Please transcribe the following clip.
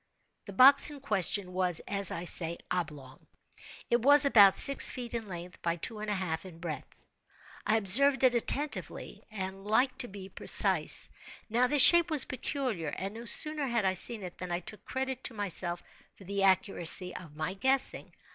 The box in question was, as I say, oblong. It was about six feet in length by two and a half in breadth; I observed it attentively, and like to be precise. Now this shape was peculiar; and no sooner had I seen it, than I took credit to myself for the accuracy of my guessing.